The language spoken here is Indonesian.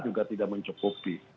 juga tidak mencukupi